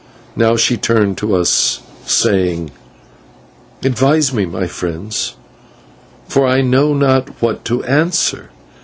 Now she turned to us, saying: "Advise me, friends, for I know not what to answer.